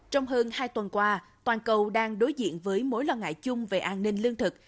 trong hơn hai tuần qua toàn cầu đang đối diện với mối lo ngại chung về an ninh lương thực